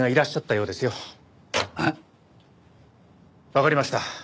わかりました。